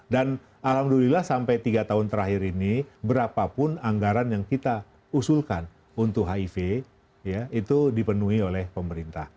dan alhamdulillah sampai tiga tahun terakhir ini berapapun anggaran yang kita usulkan untuk hiv ya itu dipenuhi oleh pemerintah